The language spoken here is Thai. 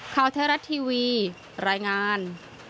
ข่าวไทยรัฐทีวีรายงาน